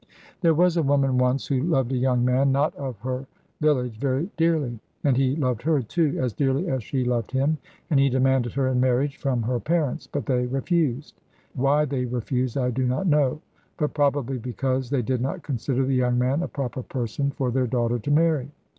There was a woman once who loved a young man, not of her village, very dearly. And he loved her, too, as dearly as she loved him, and he demanded her in marriage from her parents; but they refused. Why they refused I do not know, but probably because they did not consider the young man a proper person for their daughter to marry.